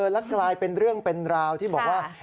แล้วกลายเป็นเรื่องเป็นราวที่บอกว่า